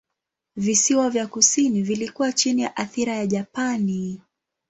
Visiwa vya kusini vilikuwa chini ya athira ya Japani.